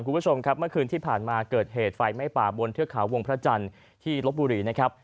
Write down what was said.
คุณผู้ชมครับเมื่อคืนที่ผ่านมาเกิดเหตุไฟไหม้ป่าบนเทือกเขาวงพระจันทร์ที่ลบบุรีนะครับ